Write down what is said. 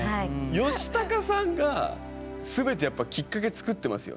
ヨシタカさんが全てやっぱきっかけ作ってますよね。